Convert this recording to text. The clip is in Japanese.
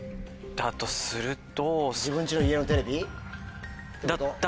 だとすると。